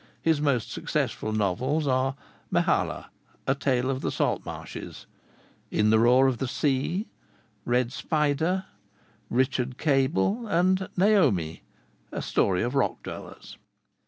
His most successful novels are 'Mehalah; a Tale of the Salt Marshes,' 'In the Roar of the Sea,' 'Red Spider,' 'Richard Cable,' and 'Noémi; a Story of Rock Dwellers.'